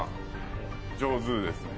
上手ですね。